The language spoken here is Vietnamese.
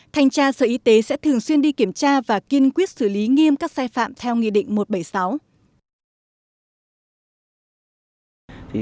thành tra sở y tế sẽ thường xuyên đi kiểm tra và kiên quyết xử lý nghiêm các sai phạm theo nghị định một trăm bảy mươi sáu